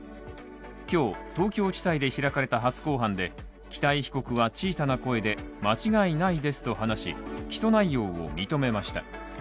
今日、東京地裁で開かれた初公判で北井被告は小さな声で間違いないですと話し起訴内容を認めました。